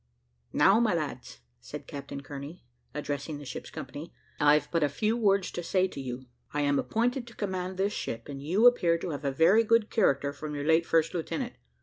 "Now, my lads," said Captain Kearney, addressing the ship's company, "I've but a few words to say to you. I am appointed to command this ship, and you appear to have a very good character from your late first lieutenant.